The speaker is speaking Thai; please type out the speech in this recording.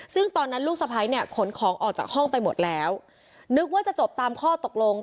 ซึ่งตอนนั้นลูกสะพ้ายเนี่ยขนของออกจากห้องไปหมดแล้วนึกว่าจะจบตามข้อตกลง